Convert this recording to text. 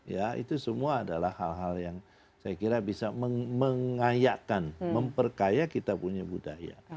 ya itu semua adalah hal hal yang saya kira bisa mengayakkan memperkaya kita punya budaya